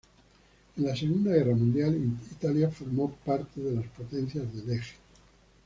En la Segunda Guerra Mundial, Italia formó parte de las Potencias del Eje.